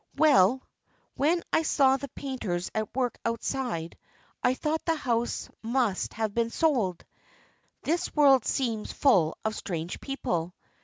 "Well, when I saw the painters at work outside I thought the house must have been sold. This world seems full of strange people.